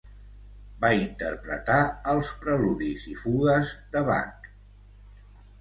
Va interpretar els Preludis i Fugues de Bach.